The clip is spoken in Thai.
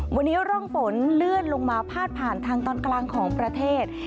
วันนี้ร่องฝนเลื่อนลงมาพาดผ่านทางตอนกลางของประเทศ